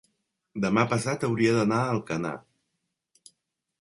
demà passat hauria d'anar a Alcanar.